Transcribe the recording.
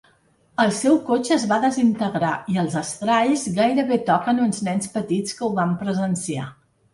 El seu cotxe es va desintegrar i els estralls gairebé toquen uns nens petits que ho van presenciar.